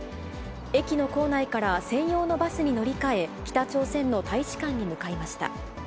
駅の構内から専用のバスに乗り換え、北朝鮮の大使館に向かいました。